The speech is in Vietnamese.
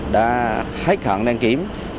đã hách hẳn đăng kiếm